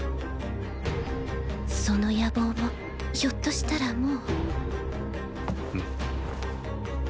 その野望もひょっとしたらもうん？